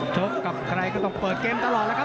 กับใครก็ต้องเปิดเกมตลอดแล้วครับ